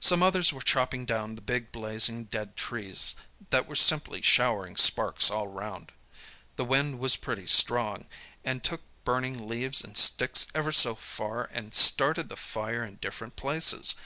Some others were chopping down the big, blazing, dead trees, that were simply showering sparks all round. The wind was pretty strong, and took burning leaves and sticks ever so far and started the fire in different places.